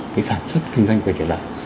cái sản xuất kinh doanh về trở lại